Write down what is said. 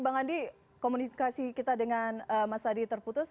bang andi komunikasi kita dengan mas adi terputus